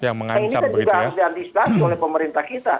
nah ini kan juga harus diantisipasi oleh pemerintah kita